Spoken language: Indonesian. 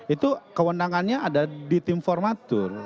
itu kewenangannya ada di tim formatur